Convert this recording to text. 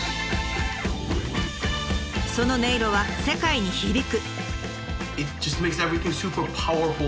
その音色は世界に響く。